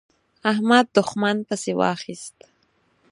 احمد؛ دوښمن پسې واخيست.